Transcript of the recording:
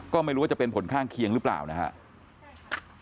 ก็ไม่รู้ว่าจะเป็นผลข้างเคียงหรือเปล่านะครับ